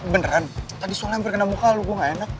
beneran tadi soalnya hampir kena muka lu gue gak enak